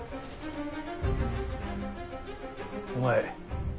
お前